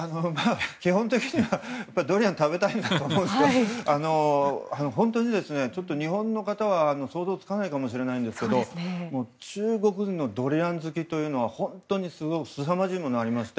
基本的にはドリアンを食べたいんだと思いますけど本当に日本の方は想像つかないと思うんですが中国人のドリアン好きというのは本当にすさまじいものがありまして。